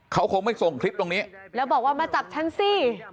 เขาคงไม่ส่งคลิปตรงนี้แล้วบอกว่ามาจับฉันสิ